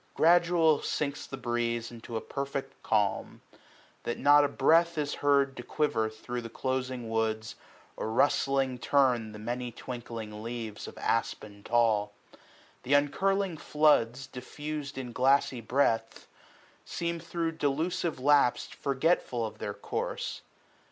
Gradual sinks the breeze Into a perfect calm ; that not a breath 155 Is heard to quiver through the closing woods. Or rustling turn the many twinkling leaves Of aspin tall. Th' uncurling floods, diflFiis'd In glassy breadth, seem thro' delusive lapse Forgetful of their course.